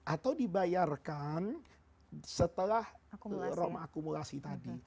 atau dibayarkan setelah rom akumulasi tadi